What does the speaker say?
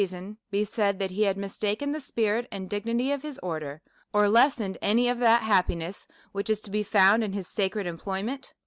153 son be said that he had mistaken the spirit and dignity of his order, or lessoned any of that happiness which is to be found in his sacred employments?